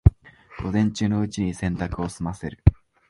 午前中のうちに洗濯を済ませる